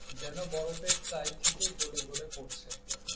যেন বরফের চাই থেকে গলে গলে পড়ছে।